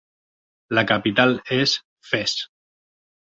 La capital és Fes.